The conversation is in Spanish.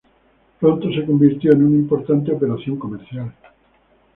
Pronto se convirtió en una importante operación comercial.